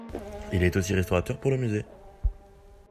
Il est aussi restaurateur pour le musée.